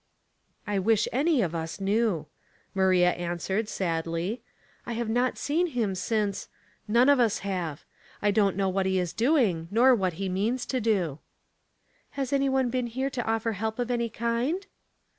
" I wish any of us knew," Maria answered, sadly. *' I have not seen him since — none of us have. I don't know what he is doing, nor what he means to do." '' Has any one been here to offer help of any kind?"